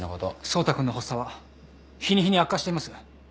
走太君の発作は日に日に悪化しています。